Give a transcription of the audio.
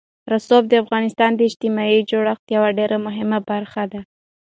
رسوب د افغانستان د اجتماعي جوړښت یوه ډېره مهمه برخه ده.